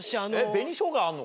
紅しょうがあんの？